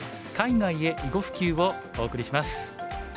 海外へ囲碁普及」をお送りします。